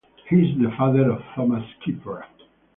He is the father of Thomas Kittera.